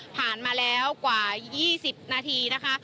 มาแล้วกว่า๒๐นาทีนะคะ